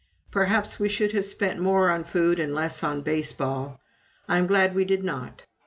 Perhaps we should have spent more on food and less on baseball. I am glad we did not.